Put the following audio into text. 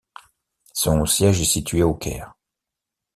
Son siège est situé au Caire.